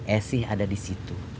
esy ada di situ